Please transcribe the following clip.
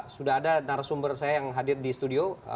sudah ada narasumber saya yang hadir di studio